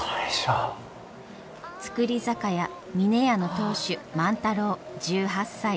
造り酒屋峰屋の当主万太郎１８歳。